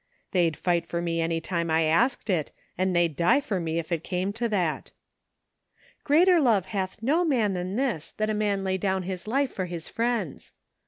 They'd fight for me any time I asked it ; and they'd die for me if it came to that." " Greater love hath no man than this, that a man lay down his life for his friends."